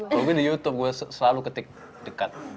kalau gue di youtube gue selalu ketik dekat